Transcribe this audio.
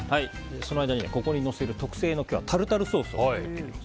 その間に、ここにのせる特製のタルタルソースを作っていきます。